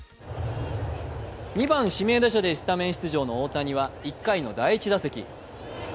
２番・指名打者でスタメン出場の大谷は１回の第１打席。